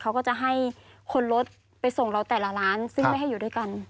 เขาก็จะให้คนรถไปส่งเราแต่ละร้านซึ่งไม่ให้อยู่ด้วยกัน